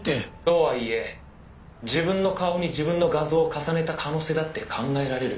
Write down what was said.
「とはいえ自分の顔に自分の画像を重ねた可能性だって考えられる」